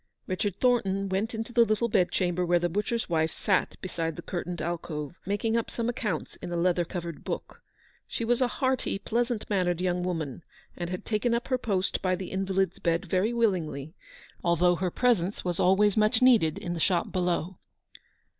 Richard Thornton went into the little bed chamber where the butcher's wife sat beside the curtained alcove, making up some accounts in a leather covered book. She was a hearty pleasant mannered young woman, and had taken up her post by the invalid's bed very willingly, although her presence was always much needed in the shop below.